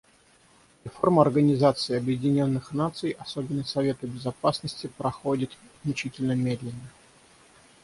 Реформа Организации Объединенных Наций, особенно Совета Безопасности, проходит мучительно медленно.